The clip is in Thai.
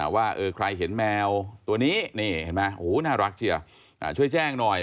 ว่าใครเห็นแมวตัวนี้นี่เห็นไหมน่ารักเชียวช่วยแจ้งหน่อย